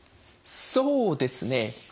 そうですね。